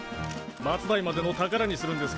末代までの宝にするんですか？